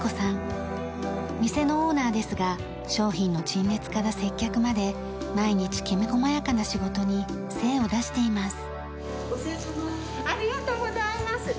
店のオーナーですが商品の陳列から接客まで毎日きめ細やかな仕事に精を出しています。